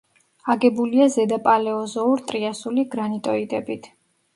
აგებულია ზედაპალეოზოურ-ტრიასული გრანიტოიდებით.